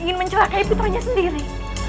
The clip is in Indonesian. ingin mencerakai putranya sendiri